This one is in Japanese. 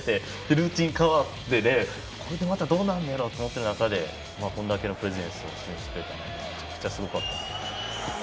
ルーチンも変わってどうなるんやろって思ってた中でこれだけのプレゼンスを示してくれてめちゃくちゃすごかったです。